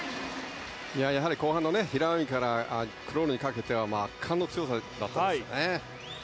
やはり後半の平泳ぎからクロールにかけては圧巻の強さでしたね。